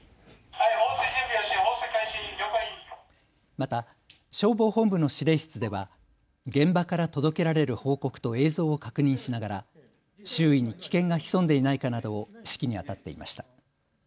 また消防本部の司令室では現場から届けられる報告と映像を確認しながら周囲に危険が潜んでいないかなど指揮にあたっていました。